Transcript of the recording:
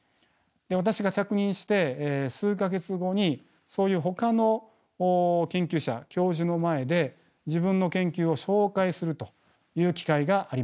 私が着任して数か月後にそういうほかの研究者教授の前で自分の研究を紹介するという機会がありました。